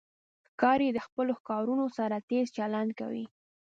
ښکاري د خپلو ښکارونو سره تیز چلند کوي.